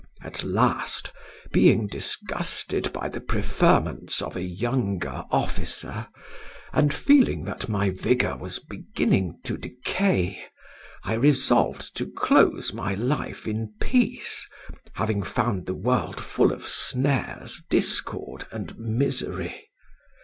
At last, being disgusted by the preferments of a younger officer, and feeling that my vigour was beginning to decay, I resolved to close my life in peace, having found the world full of snares, discord, and misery.